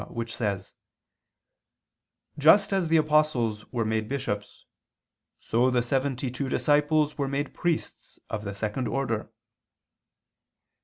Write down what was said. which says: "Just as the apostles were made bishops, so the seventy two disciples were made priests of the second order."